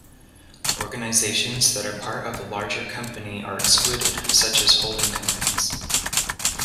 Organisations that are part of a larger company are excluded, such as holding companies.